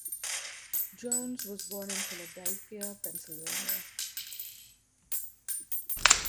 Jones was born in Philadelphia, Pennsylvania.